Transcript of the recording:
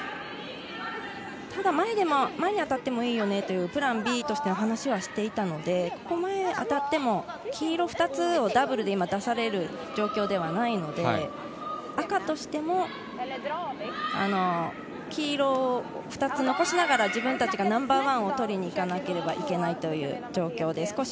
ただ、前に当たってもいいよねというプランＢの話はしていたので、黄色２つをダブルで出される状況ではないので、赤としても黄色を２つ残しながら自分たちがナンバーワンを取りに行かなければいけないという状況です。